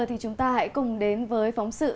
thì chúng ta hãy cùng đến với phóng sự